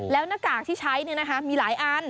แล้วหน้ากากที่ใช้เนี่ยนะคะมีหลายอัน